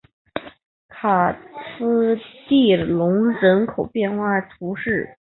卡斯蒂隆人口变化图示